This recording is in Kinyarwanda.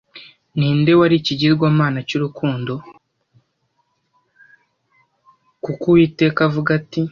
kuko Uwiteka avuga ati